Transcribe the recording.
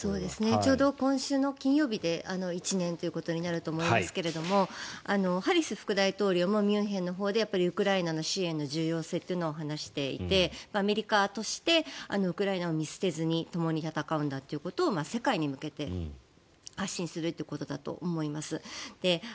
ちょうど今週の金曜日で１年ということになると思いますがハリス副大統領もミュンヘンのほうでウクライナの支援の重要性を話していてアメリカとしてウクライナを見捨てずにともに戦うんだということを世界に向けて発信するということだと思います。